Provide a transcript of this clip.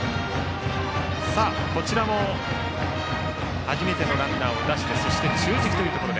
こちらも初めてのランナーを出してそして中軸というところ。